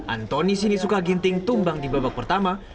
antoni sinisuka ginting tumbang di babak pertama